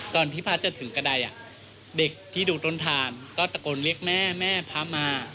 ที่พระจะถึงกระดายเด็กที่ดูต้นทานก็ตะโกนเรียกแม่แม่พระมา